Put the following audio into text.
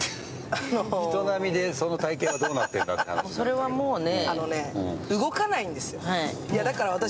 それはもうね。